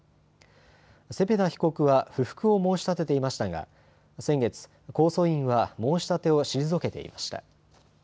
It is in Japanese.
セペダ被告は不服を申し立てていましたが先月、控訴院は申し立てを退けていました。